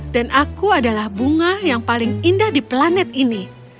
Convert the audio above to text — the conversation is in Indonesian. dan aku adalah bunga yang paling indah di planet ini